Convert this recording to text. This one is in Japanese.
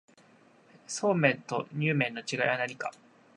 そうめんとにゅう麵の違いは何か